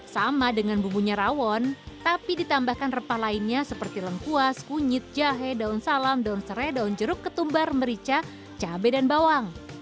sama dengan bumbunya rawon tapi ditambahkan rempah lainnya seperti lengkuas kunyit jahe daun salam daun serai daun jeruk ketumbar merica cabai dan bawang